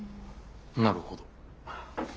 なるほど。